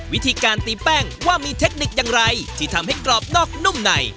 วิธีการตีแป้งว่ามีเทคนิคอย่างไรที่ทำให้กรอบนอกนุ่มใน